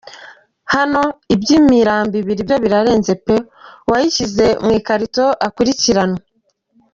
naho iby’imirambo ibiri byo birarenze pe! uwayishyize mu ikarito akurikiranwe.